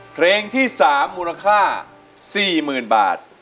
เพลงที่๓มูลค่า๔๐๐๐บาท